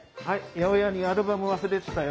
八百屋にアルバム忘れてたよ。